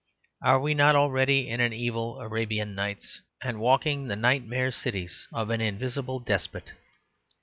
Are we not already in an evil Arabian Nights, and walking the nightmare cities of an invisible despot?